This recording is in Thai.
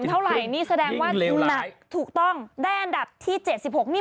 เท่าไหร่นี่แสดงว่าถูกต้องยิ่งเล็กถูกได้อันดับที่๗๖นี่